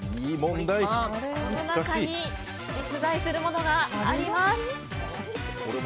この中に実在するものがあります。